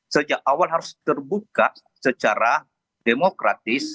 sejak awal harus terbuka secara demokratis